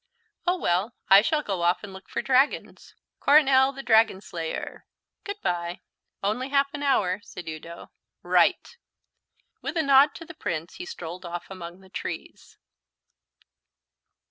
"Oh, well, I shall go off and look for dragons. Coronel, the Dragon Slayer. Good bye." "Only half an hour," said Udo. "Right." With a nod to the Prince he strolled off among the trees.